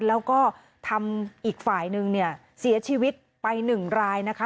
แล้วก็ทำอีกฝ่ายนึงเนี่ยเสียชีวิตไปหนึ่งรายนะคะ